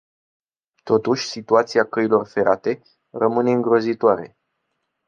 Totuși, situația căilor ferate rămâne îngrozitoare.